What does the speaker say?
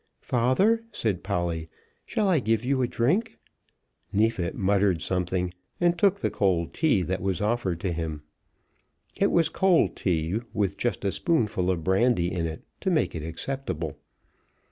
"Father," said Polly, "shall I give you a drink?" Neefit muttered something, and took the cold tea that was offered to him. It was cold tea, with just a spoonful of brandy in it to make it acceptable.